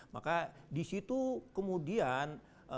maka di situ kemudian